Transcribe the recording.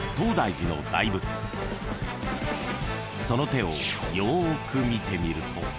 ［その手をよーく見てみると］